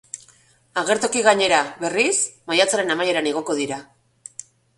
Agertoki gainera, berriz, maiatzaren amaieran igoko dira.